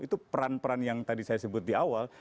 itu peran peran yang tadi saya sebut di awal